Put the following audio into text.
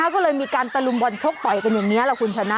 ก็เลยมีการตะลุมบอลชกต่อยกันอย่างนี้แหละคุณชนะ